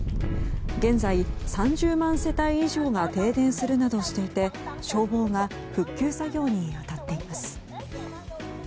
現在、３０万世帯以上が停電するなどしていて消防が復旧作業に当たっています。